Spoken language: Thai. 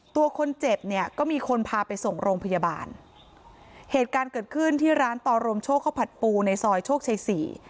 ตัวคนเจ็บเนี่ยก็มีคนพาไปส่งโรงพยาบาลเหตุการณ์เกิดขึ้นที่ร้านต่อรมโชคข้าวผัดปูในซอยโชคชัยสี่